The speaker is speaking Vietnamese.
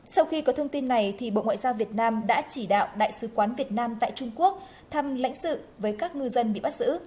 sau khi có thông tin này bộ ngoại giao việt nam đã chỉ đạo đại sứ quán việt nam tại trung quốc thăm lãnh sự với các ngư dân bị bắt giữ